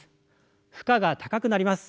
負荷が高くなります。